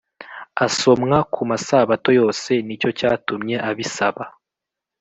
asomwa ku masabato yose ni cyo cyatumye abisaba